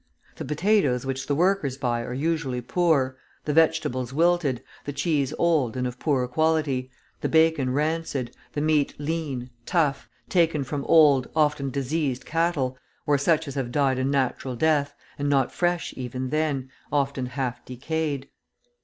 The potatoes which the workers buy are usually poor, the vegetables wilted, the cheese old and of poor quality, the bacon rancid, the meat lean, tough, taken from old, often diseased, cattle, or such as have died a natural death, and not fresh even then, often half decayed.